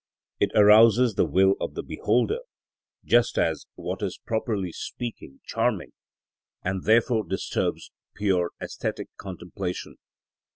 It arouses the will of the beholder, just as what is properly speaking charming, and therefore disturbs pure æsthetic contemplation.